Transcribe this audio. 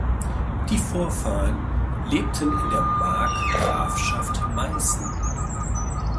Die Vorfahren lebten in der Markgrafschaft Meißen.